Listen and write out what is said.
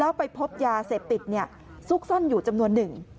แล้วไปพบยาเสพติดซุกซ่อนอยู่จำนวนหนึ่ง